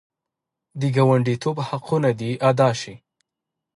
د ګاونډیتوب حقونه دې ادا شي.